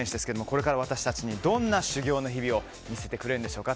これから私たちにどんな修業の日々を見せてくれるんでしょうか。